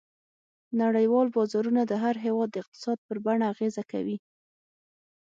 نړیوال بازارونه د هر هېواد د اقتصاد پر بڼه اغېزه کوي.